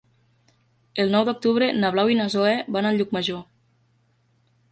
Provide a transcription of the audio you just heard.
El nou d'octubre na Blau i na Zoè van a Llucmajor.